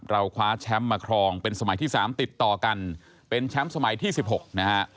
คว้าแชมป์มาครองเป็นสมัยที่๓ติดต่อกันเป็นแชมป์สมัยที่๑๖นะฮะ